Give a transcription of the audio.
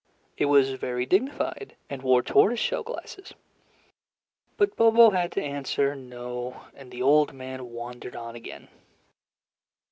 It was very dignified and wore tortoise shell glasses." But Bobo had to answer "No," and the old man wandered on again.